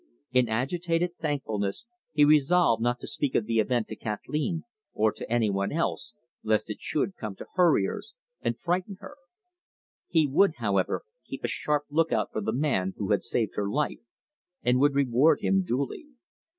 In agitated thankfulness he resolved not to speak of the event to Kathleen, or to any one else, lest it should come to her ears and frighten her. He would, however, keep a sharp lookout for the man who had saved her life, and would reward him duly.